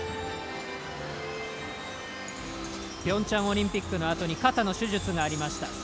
ピョンチャンオリンピックのあとに、肩の手術がありました。